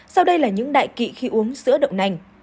sau đây là những đại kỵ khi uống sữa đậu nành